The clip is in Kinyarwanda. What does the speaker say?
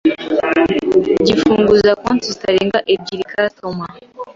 gifunguza konti zitarenga ebyiri customer